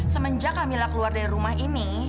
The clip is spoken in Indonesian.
semenjak kamila keluar dari rumah ini